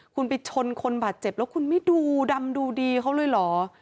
คุณไปชนคนบาดเจ็บแล้วคุณไม่ดูดำดูดีเขาเลยเหรอ